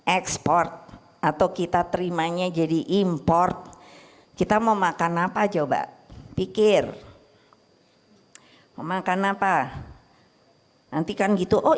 ekspor atau kita terima nya jadi import kita mau makan apa coba pikir hai makan apa nantikan gitu oh